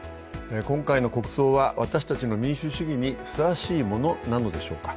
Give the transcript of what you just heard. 今回の国葬は、私たちの民主主義にふさわしいものなのでしょうか。